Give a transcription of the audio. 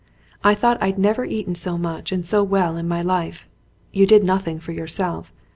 I thought I'd never eaten so much and so well in my life. You did nothing for yourself.